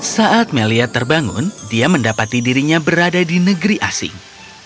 saat melia terbangun dia mendapati dirinya berada di negeri asing